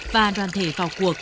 và đoàn thể vào cuộc